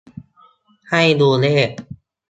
ให้ดูเลข